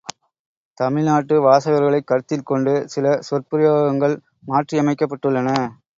தமிழ் நாட்டு வாசகர்களைக் கருத்தில் கொண்டு சில சொற்பிரயோகங்கள் மாற்றியமைக்கப்பட்டுள்ளன.